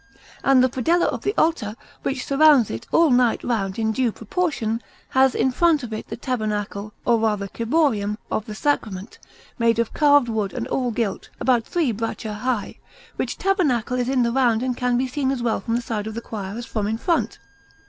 And the predella of the altar, which surrounds it all right round in due proportion, has in front of it the tabernacle, or rather ciborium, of the Sacrament, made of carved wood and all gilt, about three braccia high; which tabernacle is in the round and can be seen as well from the side of the choir as from in front.